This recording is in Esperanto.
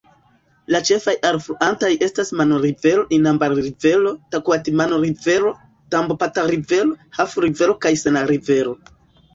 La ĉefaj alfluantoj estas Manu-Rivero, Inambari-Rivero, Takuatimanu-Rivero, Tambopata-Rivero, Heath-Rivero kaj Sena-Rivero.